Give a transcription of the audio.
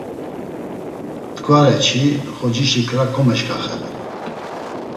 T̆ǩvareçi xocişi kra komeşǩaxedu.